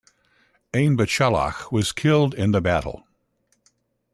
Ainbcellach was killed in the battle.